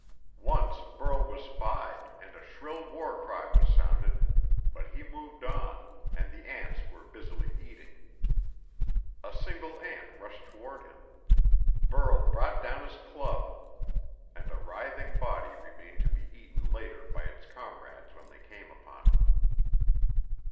Once Burl was spied, and a shrill war cry was sounded, but he moved on, and the ants were busily eating. A single ant rushed toward him. Burl brought down his club, and a writhing body remained to be eaten later by its comrades when they came upon it.